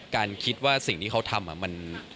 คิดว่าสิ่งที่เขาทำมัน